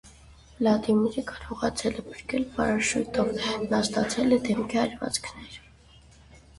Վլադիմիրը կարողացել է փրկվել պարաշյուտով. նա ստացել է դեմքի այրվածքներ։